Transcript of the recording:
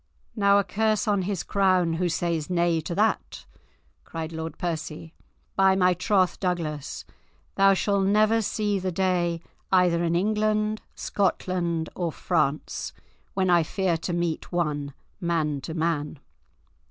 "Now a curse on his crown, who says nay to that," cried Lord Percy. "By my troth, Douglas, thou shalt never see the day either in England, Scotland, or France, when I fear to meet one, man to man."